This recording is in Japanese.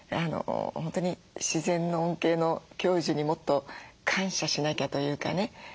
本当に自然の恩恵の享受にもっと感謝しなきゃというかね。